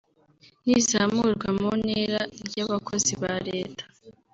n’izamurwa mu ntera ry’abakozi ba Leta